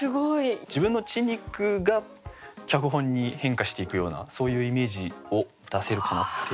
自分の血肉が脚本に変化していくようなそういうイメージを出せるかなって。